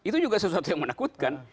itu juga sesuatu yang menakutkan